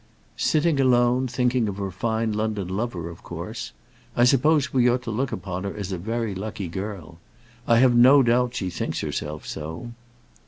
"Sitting alone, thinking of her fine London lover, of course? I suppose we ought to look upon her as a very lucky girl. I have no doubt she thinks herself so."